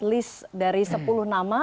list dari sepuluh nama